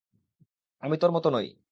আমি তোর মতো নই।